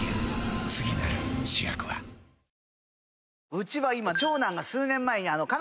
うちは今。